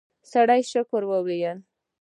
سړی شکر ویلی.